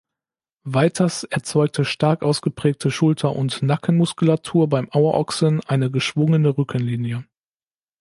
Weiters erzeugte stark ausgeprägte Schulter- und Nackenmuskulatur beim Auerochsen eine geschwungene Rückenlinie.